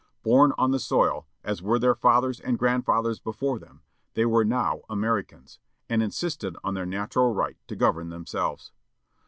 Bom on the soil, as were their fathers and grand fathers before them, they were now Americans, and insisted on their natural right to govern themselves.